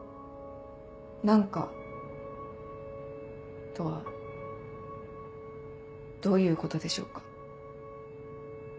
「なんか」とはどういうことでしょうか？